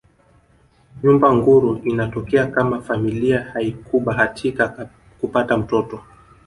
Nyumba nguru inatokea kama familia haikubahatika kupata mtoto